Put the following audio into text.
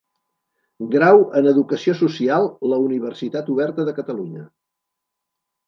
Grau en Educació Social la Universitat Oberta de Catalunya.